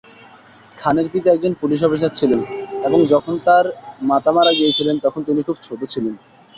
খানের পিতা একজন পুলিশ অফিসার ছিলেন এবং যখন তার মাতা মারা গিয়েছিলেন তখন তিনি খুব ছোট ছিলেন।